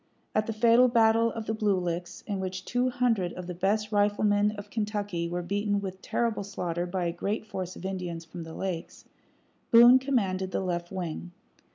At the fatal battle of the Blue Licks, in which two hundred of the best riflemen of Kentucky were beaten with terrible slaughter by a great force of Indians from the lakes, Boone commanded the left wing.